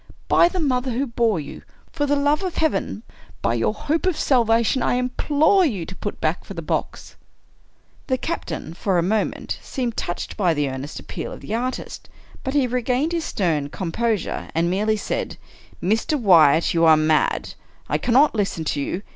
By the mother who bore you — for the love of Heaven — by your hope of salvation, I implore you to put back for the box! " The captain, for a moment, seemed touched by the ear nest appeal of the artist, but he regained his stern com posure, and merely said: " Mr. Wyatt, you are mad. I cannot listen to you.